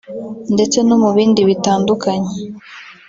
ndetse no mu bindi bitandukanye